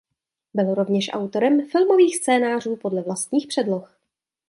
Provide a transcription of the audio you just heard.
Byl rovněž autorem filmových scénářů podle vlastních předloh.